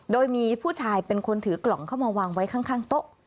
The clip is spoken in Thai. โดยมีผู้ชายเป็นคนถือกล่องเข้ามาวางไว้ข้างโต๊ะ